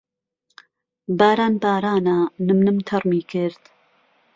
باران بارانه نم نم تهڕمی کرد